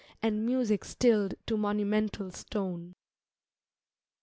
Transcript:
And music stilled to monumental stone.